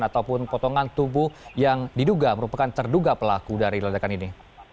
ataupun potongan tubuh yang diduga merupakan terduga pelaku dari ledakan ini